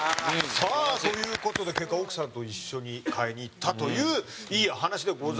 さあという事で結果奥さんと一緒に買いに行ったといういい話でございましたが。